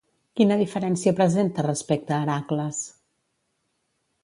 Quina diferència presenta respecte Heràcles?